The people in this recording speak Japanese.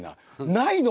「ないの！？」